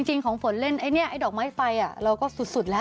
จริงของฝนเล่นไอ้ดอกไม้ไฟเราก็สุดแล้ว